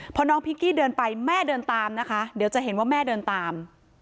พอน้องพิงกี้เดินไปแม่เดินตามนะคะเดี๋ยวจะเห็นว่าแม่เดินตาม